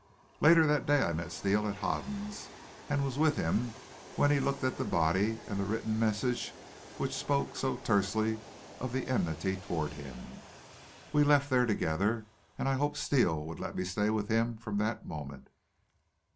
Later that day I met Steele at Hoden's and was with him when he looked at the body and the written message which spoke so tersely of the enmity toward him. We left there together, and I hoped Steele would let me stay with him from that moment.